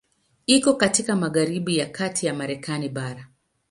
Iko katika magharibi ya kati ya Marekani bara.